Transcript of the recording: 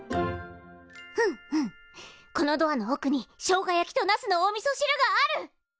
くんくんこのドアのおくにしょうが焼きとナスのおみそしるがある！